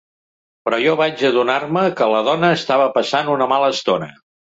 Però jo vaig adonar-me que la dona estava passant una mala estona.